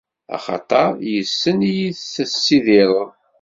Axaṭer yes-sen i yi-tessidireḍ.